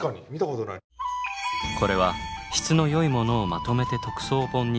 これは質のよいものをまとめて特装本にし